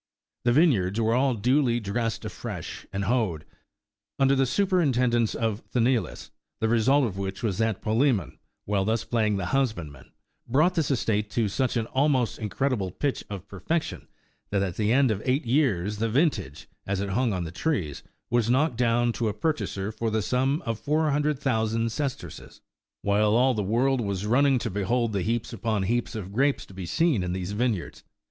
The vineyards were all duly dressed afresh, and hoed, under the superintendence of Sthenelus ; the result of which was that Palsemon, while thus playing the husbandman, brought this estate to such an almost incredible pitch of perfection, that at the end of eight years the vintage, as it hung on the trees, was knocked down to a purchaser for the sum of four hundred thousand sesterces; while all the world was running to behold the heaps upon heaps of grapes to be seen in these vineyards.